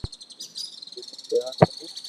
ھون سيوا ڪرو